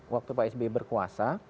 waktu pak sbi berkuasa